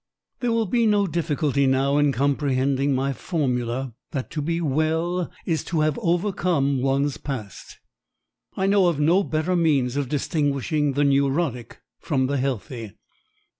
There will be no difficulty now in comprehending my formula that to be well is to have overcome one's past. I know of no better means of distinguishing the neurotic from the healthy.